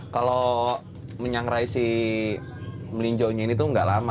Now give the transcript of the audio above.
kalau menyangrai si melinjo ini itu nggak lama